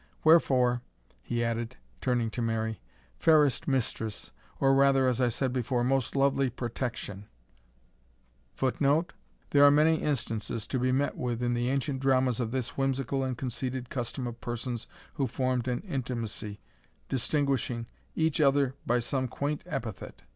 Wherefore," he added, turning to Mary, "fairest mistress, or rather, as I said before, most lovely Protection " [Footnote: There are many instances to be met with in the ancient dramas of this whimsical and conceited custom of persons who formed an intimacy, distinguishing: each, other by some quaint epithet.